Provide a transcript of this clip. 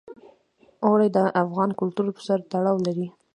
اوړي د افغان کلتور سره تړاو لري.